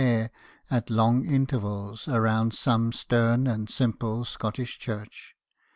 there at long intervals around some stern and simple Scottish church.